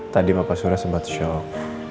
tadi bapak surya sempat shock